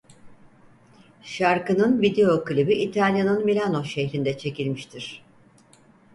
Şarkının video klibi İtalyanın Milano şehrinde çekilmiştir.